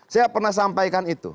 saya pernah sampaikan itu